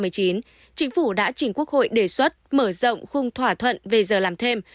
chính phủ đã chỉnh quốc hội đề xuất mở rộng khung thỏa thuận về giờ làm thêm